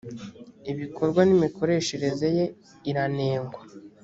ibikorwa n ‘imikoreshereze ye iranengwa.